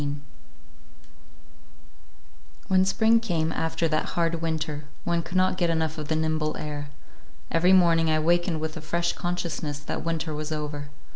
XVII WHEN spring came, after that hard winter, one could not get enough of the nimble air. Every morning I wakened with a fresh consciousness that winter was over.